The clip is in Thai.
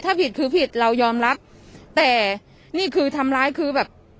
ถ้าผิดคือผิดเรายอมรับแต่นี่คือทำร้ายคือแบบ